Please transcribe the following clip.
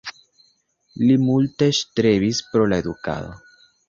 Li multe strebis por la edukado.